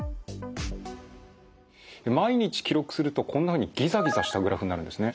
毎日記録するとこんなふうにギザギザしたグラフになるんですね。